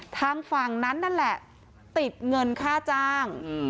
ทางฝั่งนั้นนั่นแหละติดเงินค่าจ้าง